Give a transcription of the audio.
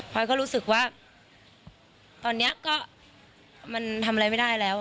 พอยก็รู้สึกว่าตอนนี้ก็มันทำอะไรไม่ได้แล้ว